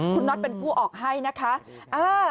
คุณน็อตเป็นผู้ออกให้นะคะ